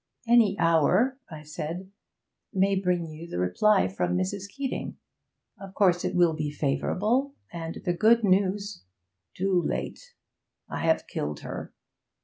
'Any hour,' I said, 'may bring you the reply from Mrs. Keeting. Of course it will be favourable, and the good news ' 'Too late, I have killed her!